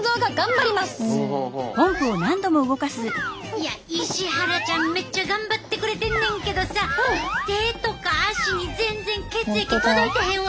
いや石原ちゃんめっちゃ頑張ってくれてんねんけどさ手とか足に全然血液届いてへんわ。